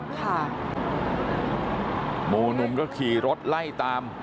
หมู่หนุ่มก็ขี่รถไล่ตาม